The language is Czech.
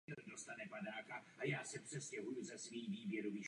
Čistý prádlo!